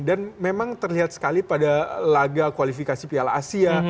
dan memang terlihat sekali pada laga kualifikasi piala asia